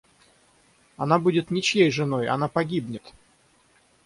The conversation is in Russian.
Она будет ничьей женой, она погибнет!